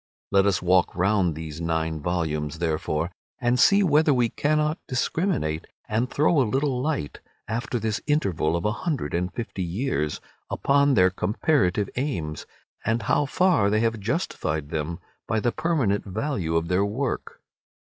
Let us walk round these nine volumes, therefore, and see whether we cannot discriminate and throw a little light, after this interval of a hundred and fifty years, upon their comparative aims, and how far they have justified them by the permanent value of their work.